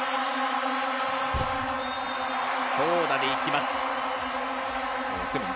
強打でいきます。